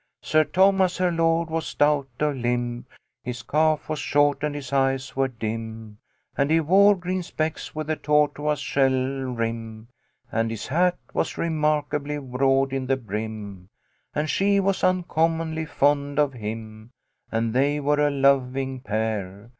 Sir Thomas her lord was stout of limb, His cough was short and his eyes were dim^ And he wore green specs with a tortoise shell rim, And his hat was re w#r ably broad in the brim, And she was \in common \y fond of him, And they were a /0z/ ing pair.